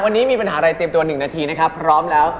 วันนี้มีปัญหาอะไรเตรียมตัว๑นาทีนะครับพร้อมแล้ว